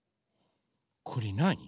これなに？